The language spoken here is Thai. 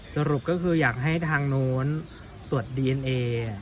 สรุปก็คืออยากให้ทางโน้นตรวจดีเอนเอ